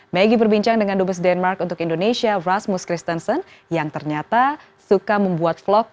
maggie berbincang dengan dubes denmark untuk indonesia rasmus kristensen yang ternyata suka membuat vlog